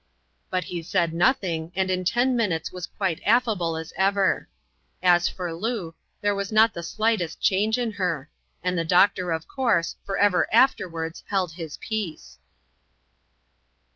But he said nothing, and in ten minutes was quite affable as ever. As for Loo, there was not the sligMest change in her ; and the doctw, of course, for ever afterwards held his peace.